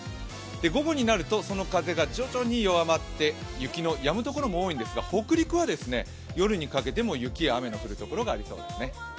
午後になるとその風が徐々に弱まって雪のやむところも多いんですが、北陸は夜にかけても雪や雨の降るところがありそうですね。